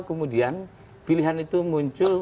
kemudian pilihan itu muncul